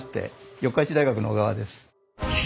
四日市大学の小川です。